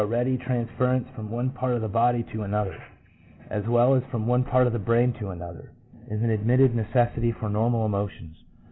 ready transference from one part of the body to another, as well as from one part of the brain to another, is an admitted necessity for normal emotions.